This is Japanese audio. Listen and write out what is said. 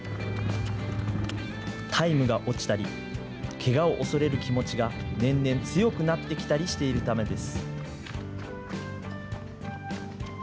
タイムが落ちたり、けがを恐れる気持ちが年々強くなってきたりしているためです。